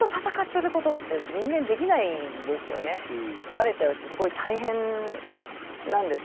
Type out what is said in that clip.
疲れちゃうしすごい大変なんですよね。